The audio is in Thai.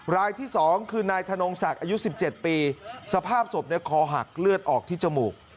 รายที่๒คือนายธนงศักดิ์อายุ๑๗ปีสภาพศพคอหักเลือดออกที่จมูก